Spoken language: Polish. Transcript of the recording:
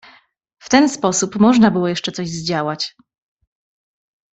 "W ten sposób można było jeszcze coś zdziałać."